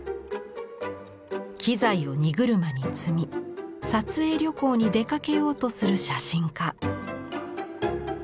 機材を荷車に積み撮影旅行に出かけようとする写真家。